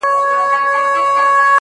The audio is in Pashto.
• کشپ وویل خبره مو منمه-